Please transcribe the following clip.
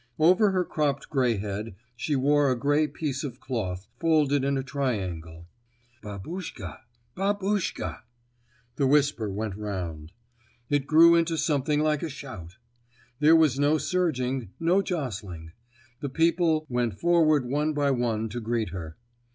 Over her cropped gray head she wore a gray piece of cloth, folded in a triangle. "Babus chka! Babuschka!" the whisper went round. It grew into something like a shout. There was no surging, no jostling. The people went forward one by one to greet her.